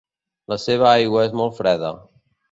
La seva aigua és molt freda.